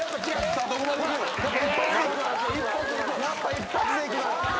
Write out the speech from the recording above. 「一発でいくな」